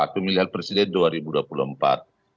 pemilihan presiden dua ribu dua puluh empat